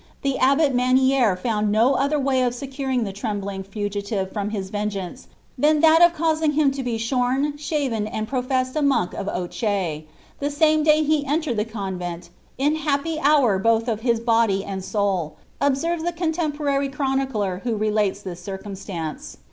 the abbot Manier found no other way of securing the trembling fugilift front his vengeance, than that of causing him to be shorn, shaven, and professed a monk of Ouche, the same day he entered the convent, "ia happy hour both for his body and soul,'*' observes the conlemponiy chronicler who relates this circumstance.